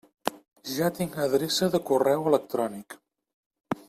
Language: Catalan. Ja tinc adreça de correu electrònic.